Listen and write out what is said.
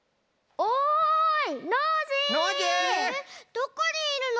どこにいるの？